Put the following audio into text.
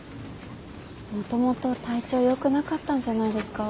もともと体調よくなかったんじゃないですか。